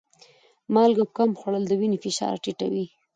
مالګه کم خوړل د وینې فشار ټیټوي.